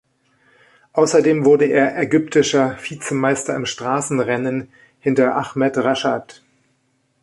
Außerdem wurde er ägyptischer Vizemeister im Straßenrennen hinter Ahmed Rashad.